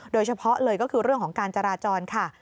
โดยเฉพาะเลยก็คือเรื่องของการจราจรค่ะ